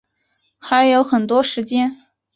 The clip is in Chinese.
还有很多时间